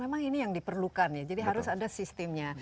memang ini yang diperlukan ya jadi harus ada sistemnya